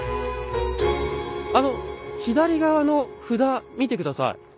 あの左側の札見て下さい。